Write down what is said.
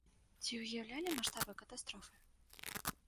Ці ўяўлялі маштабы катастрофы?